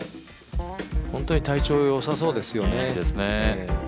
本当に体調良さそうですよね。